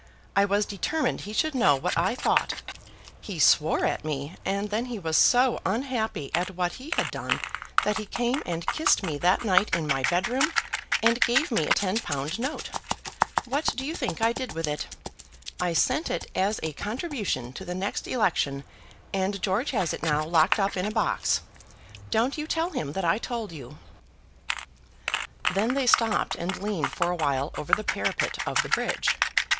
I was determined he should know what I thought. He swore at me; and then he was so unhappy at what he had done that he came and kissed me that night in my bedroom, and gave me a ten pound note. What do you think I did with it? I sent it as a contribution to the next election and George has it now locked up in a box. Don't you tell him that I told you." Then they stopped and leaned for a while over the parapet of the bridge.